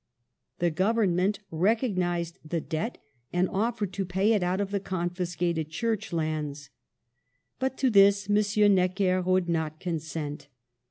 The Government recognized the debt, and offered to pay it out of the confiscated church lands. But to this M. Necker would not consent.